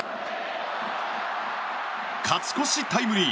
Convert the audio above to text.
勝ち越しタイムリー。